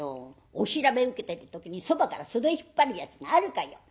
お調べ受けてる時にそばから袖引っ張るやつがあるかよ」。